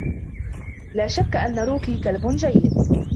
لا شكّ أنّ روكي كلب جيّد.